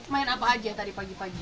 main apa aja tadi pagi pagi